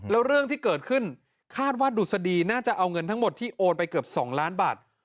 แล้วเรื่องที่เกิดขึ้นคาดว่าดุษฎีน่าจะเอาเงินทั้งหมดที่โอนไปเกือบ๒ล้านบาท